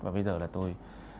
và bây giờ là tôi